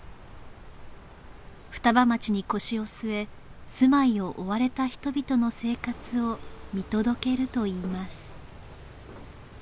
双葉町に腰を据え住まいを追われた人々の生活を見届けるといいます